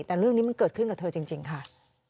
แต่เรื่องนี้มันเกิดขึ้นกับเธอจริงค่ะ